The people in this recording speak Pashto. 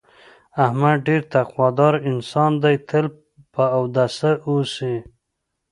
احمد ډېر تقوا داره انسان دی، تل په اوداسه اوسي.